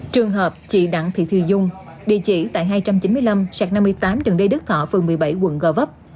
trường hợp chị đặng thị thùy dung địa chỉ tại hai trăm chín mươi năm sạc năm mươi tám đường đê đức thọ phường một mươi bảy quận gò vấp